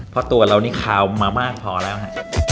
เพราะตัวเรานี่คาวมามากพอแล้วฮะ